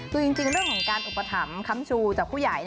คือจริงเรื่องของการอุปถัมภัมชูจากผู้ใหญ่